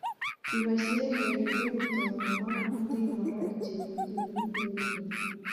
ibashyira hejuru gutontoma Ndimura ikirenge nindege